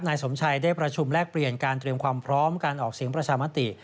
นายสมชัยได้ประชุมแลกเปลี่ยนการเตรียมความพร้อมการออกเสียงประชามติ